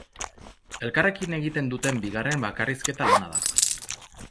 Elkarrekin egiten duten bigarren bakarrizketa lana da.